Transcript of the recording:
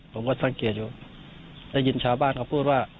ผมก็สังเกตอยู่ได้ยินชาวบ้านเขาพูดว่า